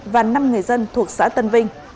và năm người dân thuộc xã tân vinh